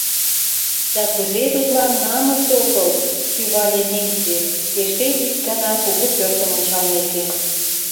Да кузе тудлан намыс огыл! — шӱвале Ненси, эше ик гана кугу пӧртым ончалмеке.